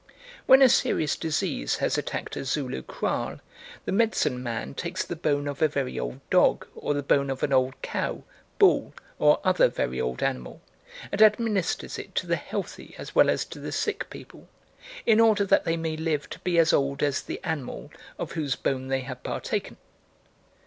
When a serious disease has attacked a Zulu kraal, the medicine man takes the bone of a very old dog, or the bone of an old cow, bull, or other very old animal, and administers it to the healthy as well as to the sick people, in order that they may live to be as old as the animal of whose bone they have partaken.